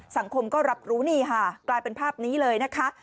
สังคมก็รับรู้นี่ค่ะกลายเป็นภาพนี้เลยนะคะ